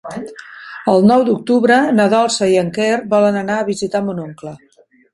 El nou d'octubre na Dolça i en Quer volen anar a visitar mon oncle.